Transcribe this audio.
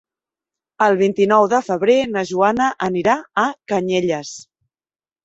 El vint-i-nou de febrer na Joana anirà a Canyelles.